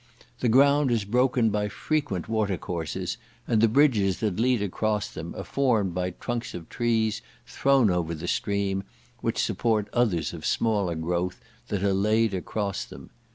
The ground is broken by frequent water courses, and the bridges that lead across them are formed by trunks of trees thrown over the stream, which support others of smaller growth, that are laid across them.